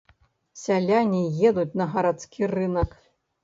Сяляне едуць на гарадскі рынак.